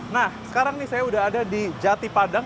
nah sekarang nih saya udah ada di jati padang